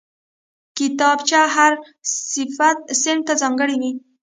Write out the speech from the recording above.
کتابچه هر صنف ته ځانګړې وي